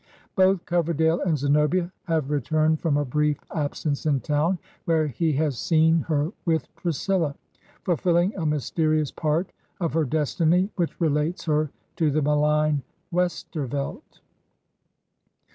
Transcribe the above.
Both Coverdale and Zenobia have re turned from a brief absence in town, where he has seen her with Priscilla, fulfilling a mysterious part of her destiny which relates her to the malign Westervelt.